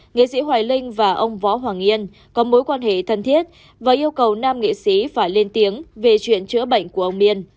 nghệ sĩ hoài linh và ông võ hoàng yên có mối quan hệ thân thiết và yêu cầu nam nghệ sĩ phải lên tiếng về chuyện chữa bệnh của ông miên